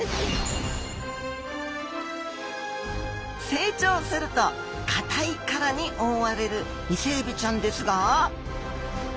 成長すると硬い殻に覆われるイセエビちゃんですが。